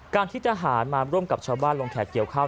การที่ทหารมาร่วมกับชาวบ้านลงแขกเกี่ยวข้าว